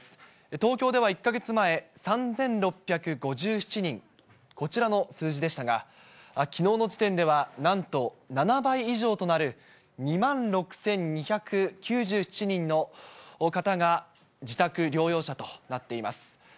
東京では１か月前、３６５７人、こちらの数字でしたが、きのうの時点では、なんと７倍以上となる２万６２９７人の方が、自宅療養者となっています。